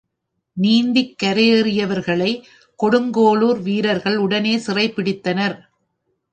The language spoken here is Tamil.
நீந்திக் கரையேறியவர்களை கொடுங்கோளுர் வீரர்கள் உடனே சிறைப் பிடித்தனர்.